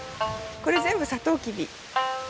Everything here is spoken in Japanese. これ全部サトウキビ。